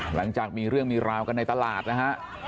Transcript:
หลังจากมีเรื่องมีราวกันในตลาดนะฮะ